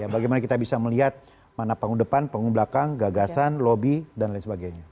bagaimana kita bisa melihat mana panggung depan panggung belakang gagasan lobby dan lain sebagainya